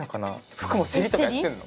服もセリとかやってるの？